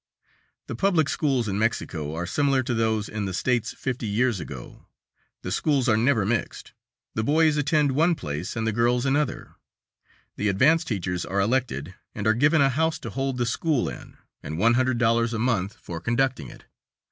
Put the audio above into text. The public schools in Mexico are similar to those in the States fifty years ago; the schools are never mixed; the boys attend one place and the girls another; the advanced teachers are elected, and are given a house to hold the school in, and one hundred dollars a month for conducting it.